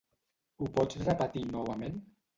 Ho pots repetir novament?